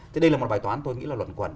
thế đây là một bài toán tôi nghĩ là luận quẩn